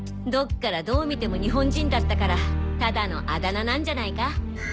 どっからどう見ても日本人だったからただのアダ名なんじゃないか？